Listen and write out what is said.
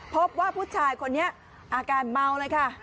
พบว่าผู้ชายคนนี้อาการเมาเลยค่ะ